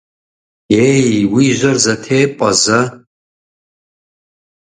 Ей, уи жьэр зэтепӏэ зэ!